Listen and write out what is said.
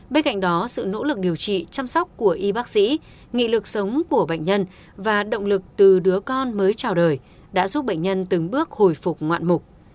bên cạnh đó sự nỗ lực điều trị chăm sóc của y bác sĩ nghị lực sống của bệnh nhân và động lực từ đứa con mới trào đời đã giúp bệnh nhân từng bước hồi phục ngoạn mục